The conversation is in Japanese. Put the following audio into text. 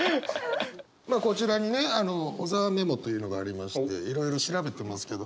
こちらにね小沢メモというのがありましていろいろ調べてますけど。